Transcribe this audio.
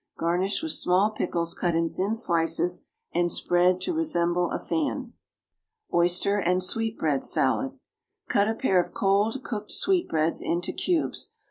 Garnish with small pickles cut in thin slices and spread to resemble a fan. =Oyster and Sweetbread Salad.= Cut a pair of cold cooked sweetbreads into cubes.